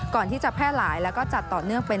ก่อนที่จะแพร่หลายแล้วก็จัดต่อเนื่องไป